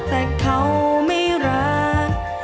แต่เขาไม่รัก